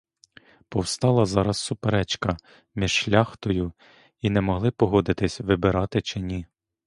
Повстала зараз суперечка між шляхтою, і не могли погодитись, вибирати чи ні?